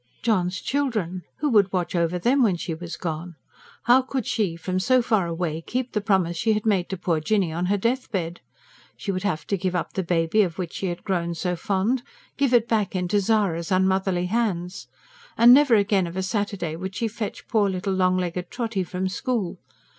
John's children! who would watch over them when she was gone? How could she, from so far away, keep the promise she had made to poor Jinny on her death bed? She would have to give up the baby of which she had grown so fond give it back into Zara's unmotherly hands. And never again of a Saturday would she fetch poor little long legged Trotty from school.